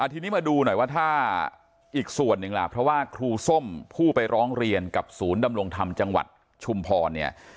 ทีนี้มาดูหน่อยว่าถ้าอีกส่วนหนึ่งล่ะเพราะว่าครูส้มผู้ไปร้องเรียนกับศูนย์ดำรงธรรมจังหวัดชุมพรเนี่ย